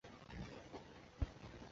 在美国已经不再使用此抗生素。